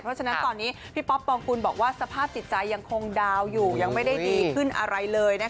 เพราะฉะนั้นตอนนี้พี่ป๊อปปองกุลบอกว่าสภาพจิตใจยังคงดาวอยู่ยังไม่ได้ดีขึ้นอะไรเลยนะคะ